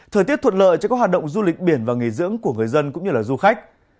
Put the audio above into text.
thời tiết thuận lợi cho các hoạt động du lịch biển và nghỉ dưỡng của người dân cũng như là du khách